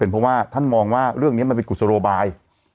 เพราะว่าท่านมองว่าเรื่องนี้มันเป็นกุศโลบาย